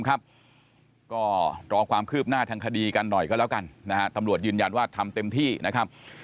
ก็รอความคืบหน้าทางคดีกันหน่อยก็แล้วกันนะฮะตำรวจยืนยันว่าทำเต็มที่นะครับ